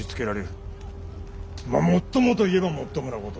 まあもっともと言えばもっともなこと。